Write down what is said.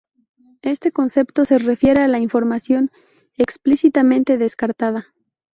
Este concepto se refiere a la "información explícitamente descartada".